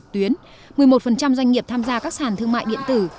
một mươi một doanh nghiệp tham gia các sàn thương mại điện tử